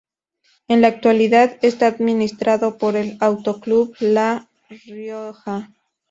En la actualidad está administrado por el Auto Club La Rioja.